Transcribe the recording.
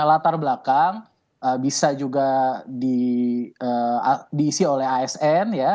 latar belakang bisa juga diisi oleh asn